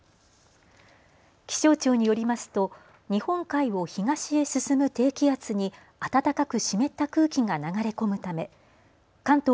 気象庁によりますと日本海を東へ進む低気圧に暖かく湿った空気が流れ込むため関東